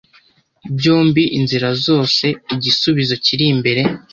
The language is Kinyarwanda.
Byombi, Inzira zose igisubizo kiri imbere